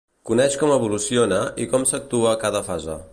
Coneix com evoluciona i com s'actua a cada fase.